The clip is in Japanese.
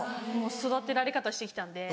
育てられ方して来たんで。